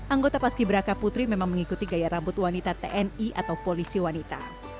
anggota paski beraka putri memang mengikuti gaya rambut wanita tni atau polisi wanita